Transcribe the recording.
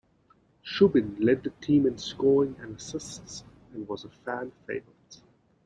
Chubin led the team in scoring and assists and was a fan favorite.